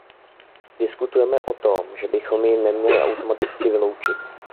Diskutujeme o tom, že bychom ji neměli automaticky vyloučit.